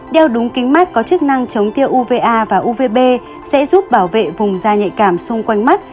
đeo đúng kính mắt có chức năng chống tiêu uva và uvb sẽ giúp bảo vệ vùng da nhạy cảm xung quanh mắt